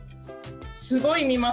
すごい見ます。